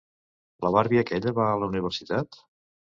La barbi aquella va a la universitat?